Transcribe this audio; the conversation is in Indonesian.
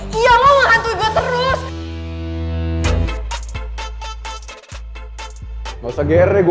bisa bisanya dia bales dendam pake senjata gue